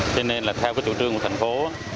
thế nên theo chủ trương của thành phố